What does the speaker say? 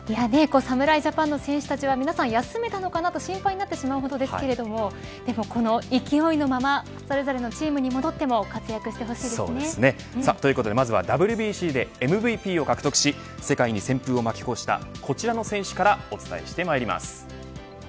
侍ジャパンの選手たちは皆さん休めたのかなと心配になってしまうほどですけどこの勢いのまま、それぞれのチームに戻ってもということで、まずはＷＢＣでＭＶＰを獲得し世界に旋風を巻き起こしたこちらの選手からお伝えしてまいります。